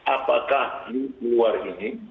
apakah luar ini